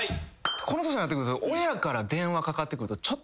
この年になってくると。